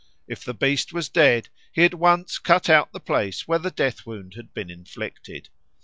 If the beast was dead, he at once cut out the place where the death wound had been inflicted.